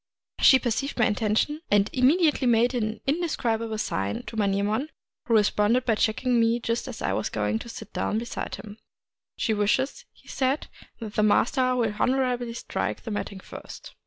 She perceived my intention, and immediately made an indescribable sign to Manyemon, who responded by checking me just as I was going to sit down beside him. " She wishes," he said, " that the master will honorably strike the matting first."